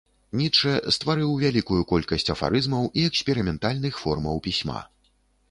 Ніцшэ стварыў вялікую колькасць афарызмаў і эксперыментальных формаў пісьма.